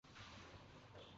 এখন আর নন!